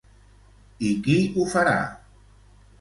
I qui ho farà?